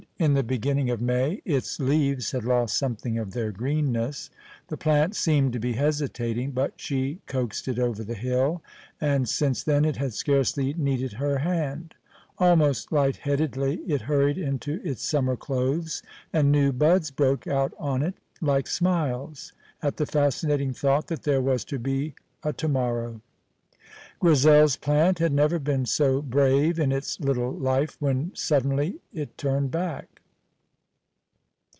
In the beginning of May its leaves had lost something of their greenness. The plant seemed to be hesitating, but she coaxed it over the hill, and since then it had scarcely needed her hand; almost light headedly it hurried into its summer clothes, and new buds broke out on it, like smiles, at the fascinating thought that there was to be a to morrow. Grizel's plant had never been so brave in its little life when suddenly it turned back.